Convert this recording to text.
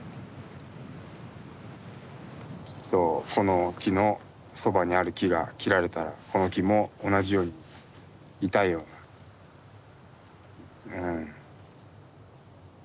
きっとこの木のそばにある木が切られたらこの木も同じように痛いよなうん。